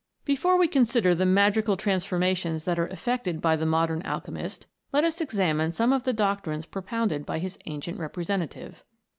Before we consider the magical transformations that are effected by the modern alchemist, let us examine some of the doctrines propounded by his ancient representative.